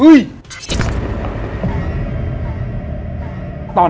สวัสดีครับ